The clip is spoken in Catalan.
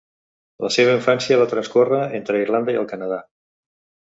La seva infància va transcórrer entre Irlanda i el Canadà.